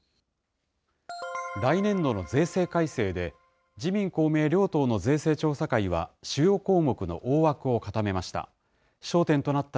来年度の税制改正で、自民、公明両党の税制調査会は、主要項目の大枠を固めました。